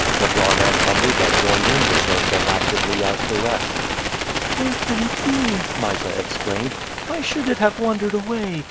Chebron and Amuba joined in the search as actively as the rest. "Where can it be?" Mysa exclaimed. "Why should it have wandered away?